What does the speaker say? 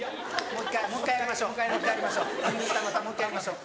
もう１回やりましょう。